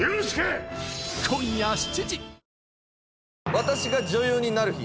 「私が女優になる日」